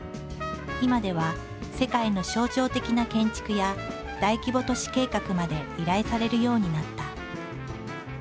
今では世界の象徴的な建築や大規模都市計画まで依頼されるようになった。